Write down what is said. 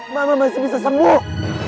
mama masih bisa sembuh